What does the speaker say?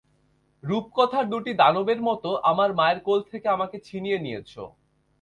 রূপকথার দুটি দানবের মতো আমার মায়ের কোল থেকে আমাকে ছিনিয়ে নিয়েছো।